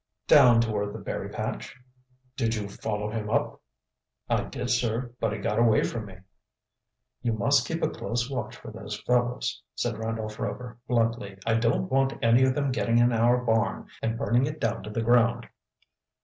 "Down toward the berry patch." "Did you follow him up?" "I did, sir, but he got away from me." "You must keep a close watch for those fellows," said Randolph Rover bluntly. "I don't want any of them getting in our barn and burning it down to the ground."